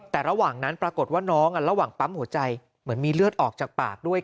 แต่ระหว่างนั้นปรากฏว่าน้องระหว่างปั๊มหัวใจเหมือนมีเลือดออกจากปากด้วย